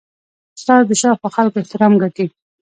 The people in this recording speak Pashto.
استاد د شاوخوا خلکو احترام ګټي.